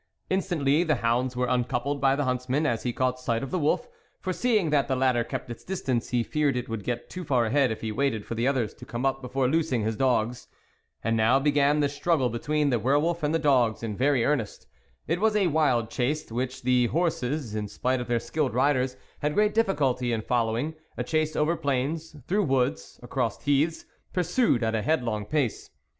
Instantly the hounds were uncoupled by the huntsman as he caught sight of the wolf, for seeing that the latter kept its distance, he feared it would get too far ahead if he waited for the others to come up before loosing his dogs. And now began the struggle between the were wolf [and the dogs in very earnest. It was a wild chase, which the horses, in spite of their skilled riders, had great difficulty in following, a chase over plains, through woods, across heaths, pursued at a headlong pace.